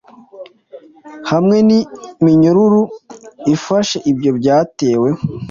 Hamwe niminyururu ifasheibyo byatewe